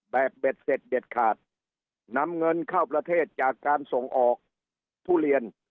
เบ็ดเสร็จเด็ดขาดนำเงินเข้าประเทศจากการส่งออกทุเรียน